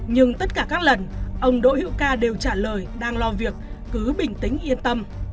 nhưng tất cả các lần ông đỗ hữu ca đều trả lời đang lo việc cứ bình tĩnh yên tâm